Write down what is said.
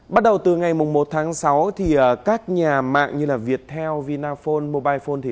bắt đầu từ ngày một tháng sáu thì các nhà mạng như viettel vinaphone mobilephone